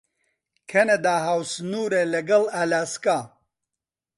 کەنەدا هاوسنوورە لەگەڵ ئالاسکا.